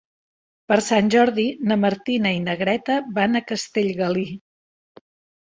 Per Sant Jordi na Martina i na Greta van a Castellgalí.